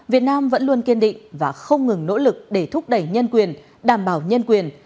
việt nam vẫn luôn kiên định và không ngừng nỗ lực để thúc đẩy nhân quyền đảm bảo nhân quyền